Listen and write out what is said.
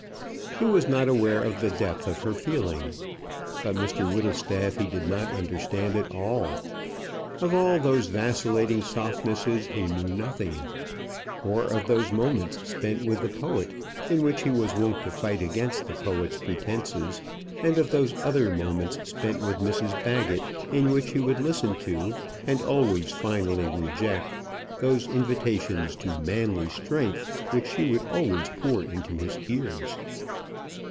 He was not aware of the depth of her feeling. But Mr Whittlestaff he did not understand at all. Of all those vacillating softnesses he knew nothing, or of those moments spent with the poet, in which he was wont to fight against the poet's pretences, and of those other moments spent with Mrs Baggett, in which he would listen to, and always finally reject, those invitations to manly strength which she would always pour into his ears.